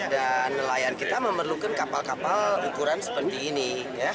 dan nelayan kita memerlukan kapal kapal ukuran sepenting ini